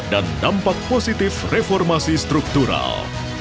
dan dampak positif reformasi struktural